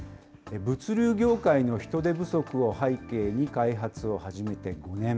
物流業界の人手不足を背景に開発を始めて５年。